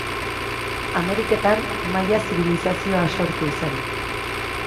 Ameriketan, Maia zibilizazioa sortu zen.